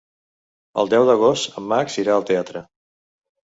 El deu d'agost en Max irà al teatre.